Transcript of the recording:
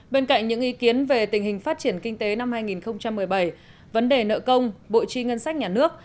bên cạnh những ý kiến về tình hình phát triển kinh tế năm hai nghìn một mươi bảy vấn đề nợ công bộ chi ngân sách nhà nước